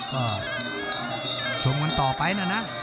ก็ชมกันต่อไปนะนะ